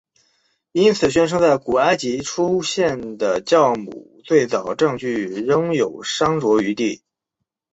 因此宣称在古埃及出现的酵母最早证据仍有商酌余地。